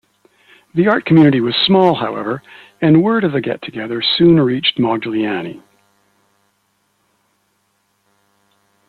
The art community was small, however, and word of the get-together soon reached Modigliani.